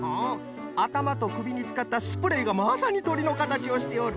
あたまとくびにつかったスプレーがまさにとりのかたちをしておる。